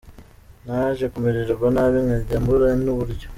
Naje kumererwa nabi nkajya mbura n’uburyo